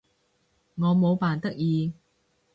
我冇扮得意